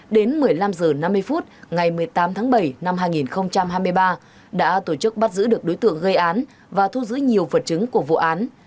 đến một mươi năm h năm mươi phút ngày một mươi tám tháng bảy năm hai nghìn hai mươi ba đã tổ chức bắt giữ được đối tượng gây án và thu giữ nhiều vật chứng của vụ án